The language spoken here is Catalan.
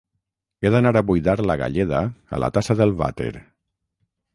He d'anar a buidar la galleda a la tassa del vàter